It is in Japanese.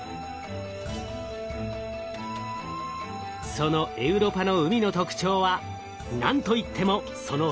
そのエウロパの海の特徴は何と言ってもその深さです。